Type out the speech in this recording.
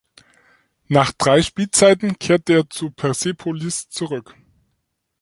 Nach drei Spielzeiten kehrte er zu Persepolis zurück.